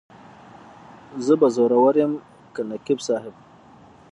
زه به زورور یم که نقیب صاحب.